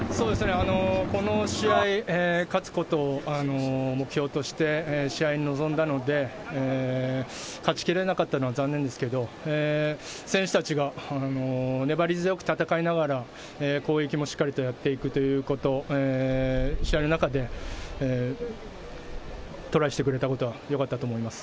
この試合、勝つことを目標として試合に臨んだので勝ち切れなかったのは残念ですが、選手たちが粘り強く戦いながら、攻撃もしっかりやっていくこと、試合の中でトライしてくれたことがよかったと思います。